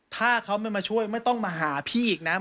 ถ้าเขาไม่มาช่วยไม่ต้องมาหาพี่อีกนะ